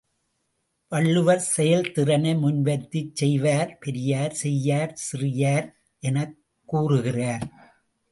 வள்ளுவர் செயல்திறனை முன்வைத்துச் செய்வார் பெரியர் செய்யார் சிறியர் எனக் கூறுகிறார்.